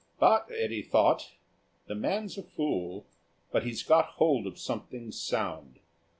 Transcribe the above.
But Eddy thought, "The man's a fool, but he's got hold of something sound.